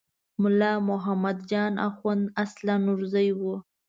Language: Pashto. ملا محمد جان اخوند اصلاً نورزی و.